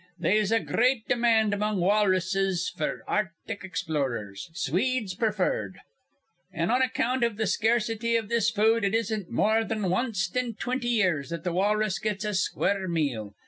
Theyse a gr reat demand among walruses f'r artic explorers, Swedes preferred; an' on account iv th' scarcity iv this food it isn't more than wanst in twinty years that th' walrus gets a square meal.